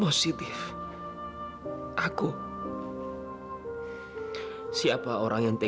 ada telur tempe lengkap deh